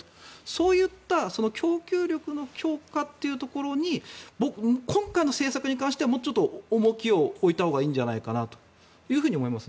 そういった供給力の強化というところに今回の政策に関してはもうちょっと重きを置いたほうがいいんじゃないかと思います。